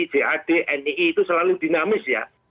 jad nii itu selalu dinamis ya